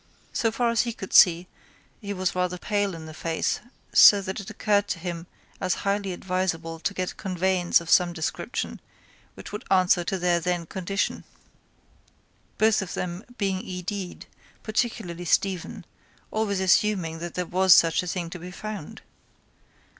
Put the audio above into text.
So far as he could see he was rather pale in the face so that it occurred to him as highly advisable to get a conveyance of some description which would answer in their then condition, both of them being e.d.ed, particularly Stephen, always assuming that there was such a thing to be found.